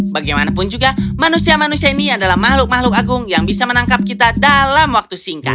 bagaimanapun juga manusia manusia ini adalah makhluk makhluk agung yang bisa menangkap kita dalam waktu singkat